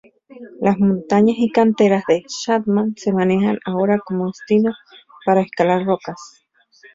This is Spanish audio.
Las montañas y canteras de Statham se manejan ahora como destinos para escalar rocas.